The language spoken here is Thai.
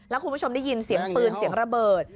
แล้วคุณผู้ชมได้ยินเสียงปืนเสียงระเบิด